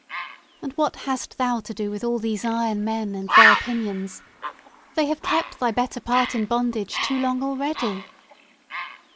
And what hast thou to do with all these iron men, and their opinions? They have kept thy better part in bondage too long already!"